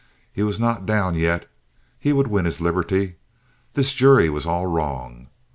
He was not down yet. He would win his liberty. This jury was all wrong.